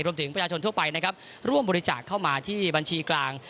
รวมถึงประชาชนทั่วไปนะครับร่วมบริจาคเข้ามาที่บัญชีกลาง